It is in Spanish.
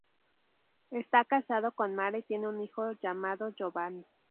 Está casado con Mara y tiene un hijo llamado Giovanni.